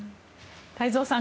太蔵さん